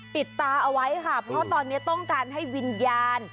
ตาเอาไว้ค่ะเพราะตอนนี้ต้องการให้วิญญาณ